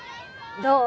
どう？